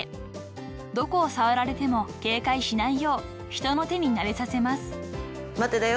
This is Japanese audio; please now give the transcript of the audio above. ［どこを触られても警戒しないよう人の手になれさせます］